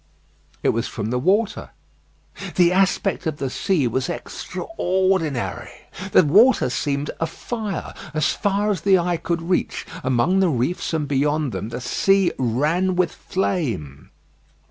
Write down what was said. It was from the water. The aspect of the sea was extraordinary. The water seemed a fire. As far as the eye could reach, among the reefs and beyond them, the sea ran with flame.